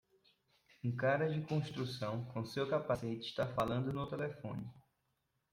Um cara de construção com seu capacete está falando no telefone.